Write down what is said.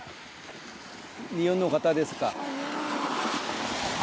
日本の方ですか？